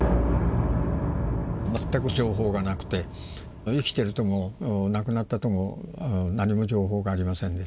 全く情報がなくて生きてるとも亡くなったとも何も情報がありませんでした。